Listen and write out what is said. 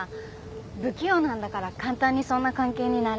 不器用なんだから簡単にそんな関係にならないよ。